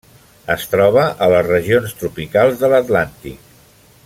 Es troba a les regions tropicals de l'Atlàntic.